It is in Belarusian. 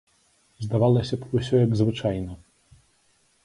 Здавалася б, усё як звычайна.